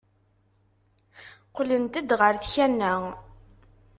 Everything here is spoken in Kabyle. Qqlent-d ɣer tkanna.